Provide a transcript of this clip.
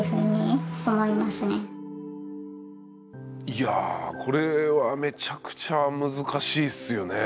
いやこれはめちゃくちゃ難しいっすよね。